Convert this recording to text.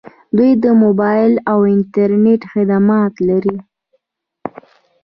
دوی د موبایل او انټرنیټ خدمات لري.